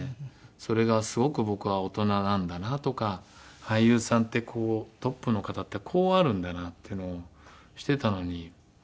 それがすごく僕は大人なんだなとか俳優さんってこうトップの方ってこうあるんだなっていうのをしてたのに。